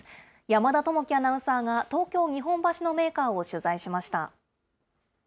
山田朋生アナウンサーが、東京・日本橋のメーカーを取材しました。